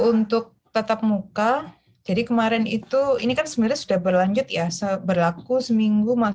kalau untuk tatap muka jadi kemarin itu ini kan sebenarnya sudah berlanjut ya berlaku seminggu masuk dua kali